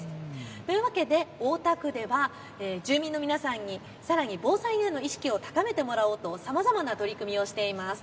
というわけで大田区では住民の皆さんにさらに防災への意識を高めてもらおうとさまざまな取り組みをしています。